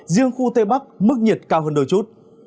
riêng khu tây bắc mức nhiệt cao hơn đôi chút